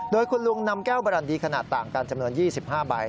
โดยคุณลุงนำแก้วบรันดีขนาดต่างกันจำนวน๒๕ใบ